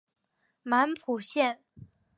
满浦线